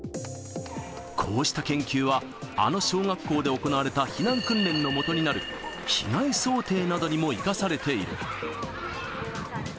こうした研究は、あの小学校で行われた避難訓練のもとになる、被害想定などにも生かされている。